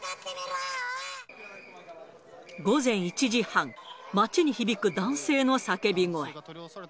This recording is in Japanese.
午前１時半、街に響く男性の叫び声。